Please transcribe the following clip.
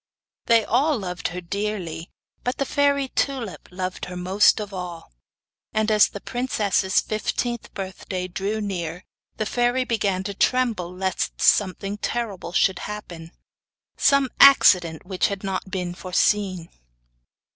They all loved her dearly, but the fairy Tulip loved her most of all; and as the princess's fifteenth birthday drew near, the fairy began to tremble lest something terrible should happen some accident which had not been foreseen.